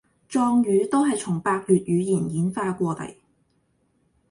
壯語都係從百越語言演化過禮